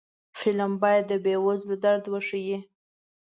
فلم باید د بې وزلو درد وښيي